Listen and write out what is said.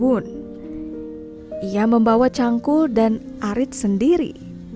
apasome juga hanya bersama nawas diri